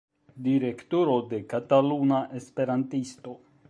Direktoro de Kataluna Esperantisto.